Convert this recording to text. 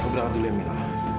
aku berangkat dulu emila